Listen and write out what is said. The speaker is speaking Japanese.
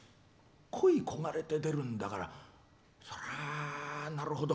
恋焦がれて出るんだからそりゃあ、なるほど。